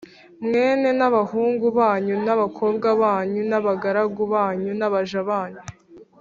mwe n abahungu banyu n abakobwa banyu n abagaragu banyu n abaja banyu